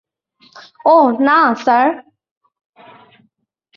ওহ, না, স্যার।